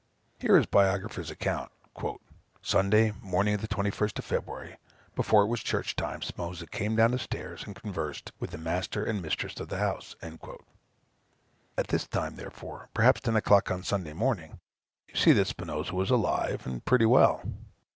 Hear his biographer's account: "Sunday morning the 21st of February, before it was church time, Spinosa came down stairs and conversed with the master and mistress of the house." At this time, therefore, perhaps ten o'clock on Sunday morning, you see that Spinosa was alive, and pretty well.